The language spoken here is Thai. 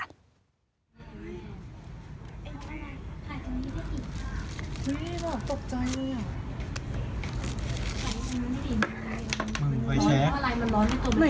อุ้ยบอกตกใจเลยอ่ะ